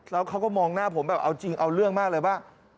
แล้วเขาก็มองหน้าผมแบบเอาจริงเอาเรื่องมากเลยว่า